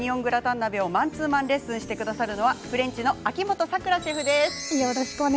鍋をマンツーマンレッスンしてくださるのはフレンチの秋元さくらシェフです。